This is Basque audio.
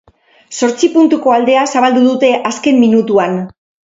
Zortzi puntuko aldea zabaldu dute azken minutuan.